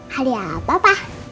hadiah apa pak